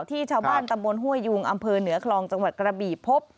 ที่ชาวบ้านตำบลห้วยยุงอำเภอเหนือคลองจังหวัดกระบี่พบ